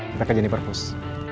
kita kejadian di purpose